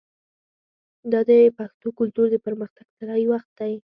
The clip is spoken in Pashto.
دا د پښتو کلتور د پرمختګ طلایی وخت دی.